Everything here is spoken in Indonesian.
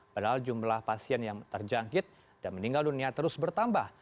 padahal jumlah pasien yang terjangkit dan meninggal dunia terus bertambah